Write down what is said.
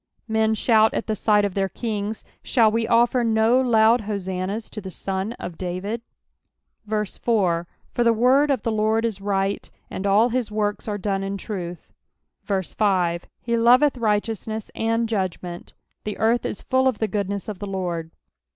Hen shout at the sight of tlieir kings : shall we oSer no loud hosannahs to the Son of David 1 4 For the word of the Lord is right ; and all his works are done in truth. 5 He loveth righteousness and judgment : the earth is full of the goodness of the Lord.